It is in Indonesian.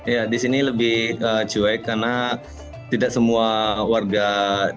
ya di sini lebih cuek karena tidak semua warga